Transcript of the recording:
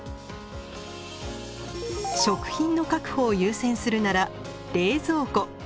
食品の確保を優先するなら冷蔵庫。